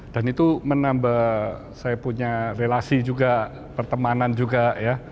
dan itu menambah saya punya relasi juga pertemanan juga ya